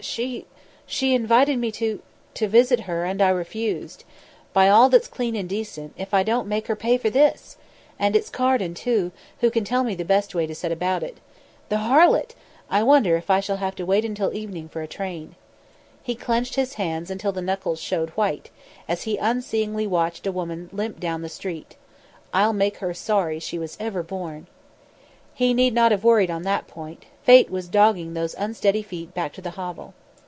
She she invited me to to visit her and I refused. By all that's clean and decent, if I don't make her pay for this! And it's Carden, too, who can tell me the best way to set about it. The harlot! I wonder if I shall have to wait until evening for a train." He clenched his hands until the knuckles showed white, as he unseeingly watched a woman limp down the street. "I'll make her sorry she was ever born." He need not have worried on that point. Fate was dogging those unsteady feet back to the hovel.